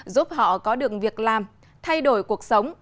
giúp họ có được việc làm thay đổi cuộc sống